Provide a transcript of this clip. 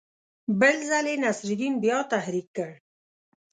بل ځل یې نصرالدین بیا تحریک کړ.